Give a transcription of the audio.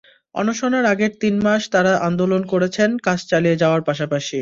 অনশনের আগের তিন মাস তাঁরা আন্দোলন করেছেন কাজ চালিয়ে যাওয়ার পাশাপাশি।